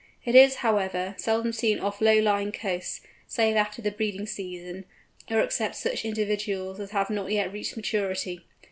It is, however, seldom seen off low lying coasts, save after the breeding season, or except such individuals as have not yet reached maturity.